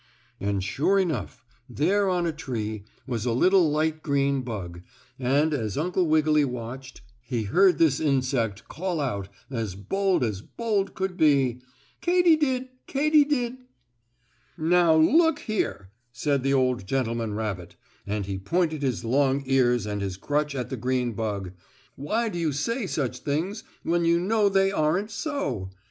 And, sure enough, there on a tree was a little light green bug, and, as Uncle Wiggily watched, he heard this insect call out as bold as bold could be: "Katy did! Katy did!" "Now look here!" said the old gentleman rabbit, and he pointed his long ears and his crutch at the green bug, "why do you say such things when you know they aren't so?